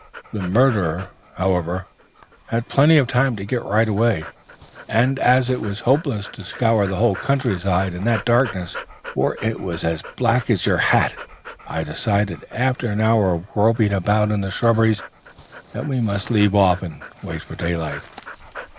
The murderer, however, had plenty of time to get right away, and as it was hopeless to scour the whole country side in that darkness for it was as black as your hat I decided, after an hour of groping about in the shrubberies, that we must leave off and wait for daylight."